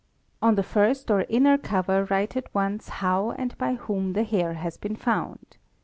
On the first or inner cover write at once how — 7 and by whom the hair has been found.